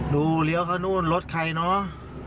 เลี้ยวเข้านู่นรถใครเนอะ